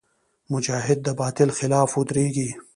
مجاهد د باطل خلاف ودریږي.